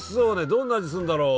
どんな味するんだろう？